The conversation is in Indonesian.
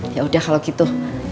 yaudah kalau gitu